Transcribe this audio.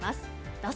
どうぞ！